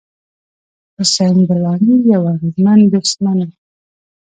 حسېن بلاڼي یو اغېزمن بېټسمېن وو.